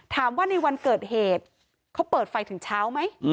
ในวันเกิดเหตุเขาเปิดไฟถึงเช้าไหม